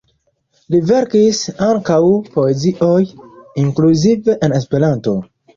Li verkis ankaŭ poezion, inkluzive en Esperanto.